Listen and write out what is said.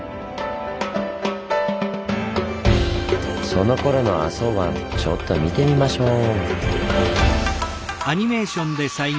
そのころの浅茅湾ちょっと見てみましょう！